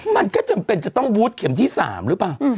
มันก็จำเป็นจะต้องวูดเข็มที่๓หรือเปล่า